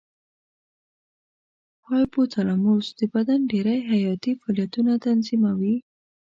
هایپو تلاموس د بدن ډېری حیاتي فعالیتونه تنظیموي.